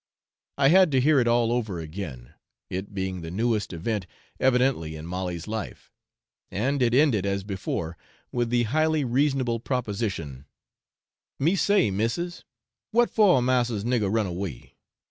I had to hear it all over again, it being the newest event evidently in Molly's life; and it ended as before with the highly reasonable proposition: 'Me say, missis, what for massa's niggar run away?